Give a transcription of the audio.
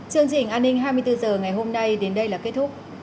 chương trình an ninh hai mươi bốn h ngày hôm nay đến đây là kết thúc